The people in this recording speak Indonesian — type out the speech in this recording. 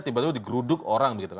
tiba tiba digeruduk orang